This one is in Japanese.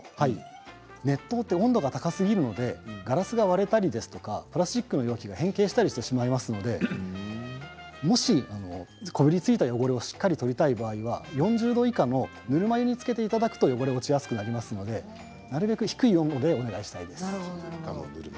熱湯って温度が高すぎるのでガラスが割れたりとかプラスチックの容器が変形したりしてしまいますのでもし、こびりついた汚れをしっかりとりたい場合は４０度以下のぬるま湯につけていただくと汚れが落ちやすくなりますのでなるべく低い温度でお願いしたいです。